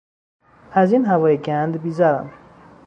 از این هوای گند بیزارم!